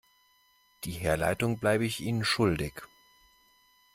Die Herleitung bleibe ich Ihnen schuldig.